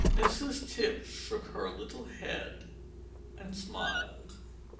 Mrs Tipps shook her little head and smiled.